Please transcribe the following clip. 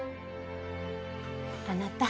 あなた